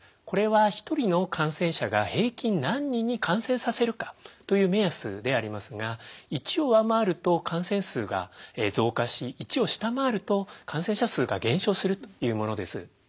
これは１人の感染者が平均何人に感染させるかという目安でありますが１を上回ると感染数が増加し１を下回ると感染者数が減少するというものです。